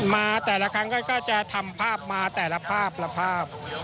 มาแต่ละครั้งก็จะทำภาพมาแต่ละภาพละภาพ